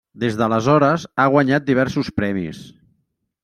Des d'aleshores ha guanyat diversos premis.